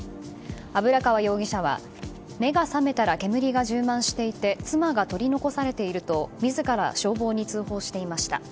油川容疑者は目が覚めたら煙が充満していて妻が取り残されていると自ら消防に通報していました。